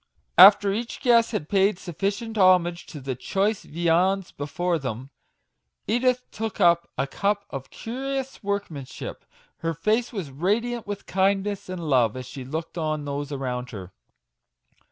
After each guest had paid sufficient homage to the choice viands before them, Edith took up a cup of curious workmanship; her face was radiant with kindness and love as she looked on those around her.